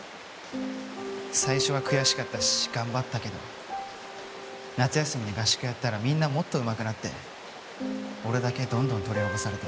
最初は悔しかったし頑張ったけど夏休みに合宿やったらみんなもっと上手くなって俺だけどんどん取り残された。